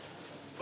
あ。